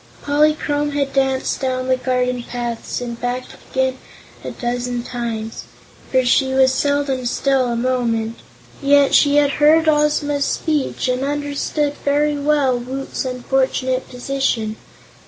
Polychrome had danced down the garden paths and back again a dozen times, for she was seldom still a moment, yet she had heard Ozma's speech and understood very well Woot's unfortunate position.